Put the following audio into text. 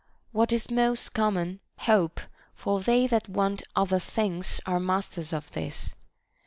What is most common? Hope; for they that want other things are masters of this.